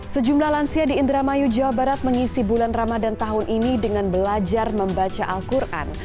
sejumlah lansia di indramayu jawa barat mengisi bulan ramadan tahun ini dengan belajar membaca al quran